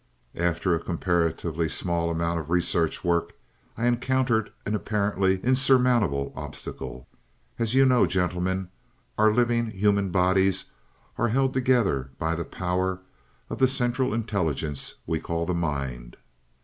"After a comparatively small amount of research work, I encountered an apparently insurmountable obstacle. As you know, gentlemen, our living human bodies are held together by the power of the central intelligence we call the mind.